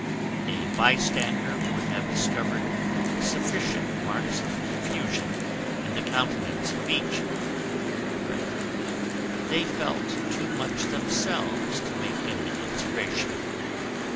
A bystander would have discovered sufficient marks of confusion in the countenance of each; but they felt too much themselves to make any observation.